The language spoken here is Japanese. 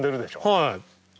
はい。